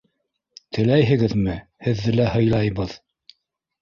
Теләйһегеҙме, һеҙҙе лә һыйлайбыҙ!